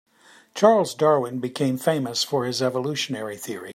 Charles Darwin became famous for his evolutionary theory.